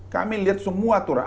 kami lihat semua turun